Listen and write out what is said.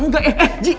nggak eh eh ji